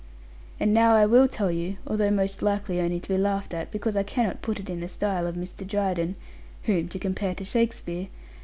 And now I will tell you, although most likely only to be laughed at, because I cannot put it in the style of Mr. Dryden whom to compare to Shakespeare!